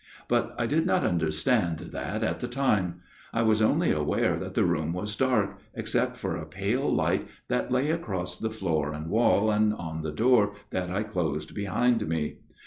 But I did not understand that at the time. I was only aware that the room was dark, except for a pale light that lay across the floor and wall and on the door that I closed behind me.